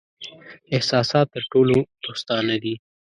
احساسات تر ټولو دوستانه دي.